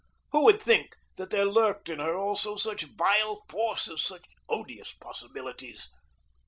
Who would think that there lurked in her also such vile forces, such odious possibilities!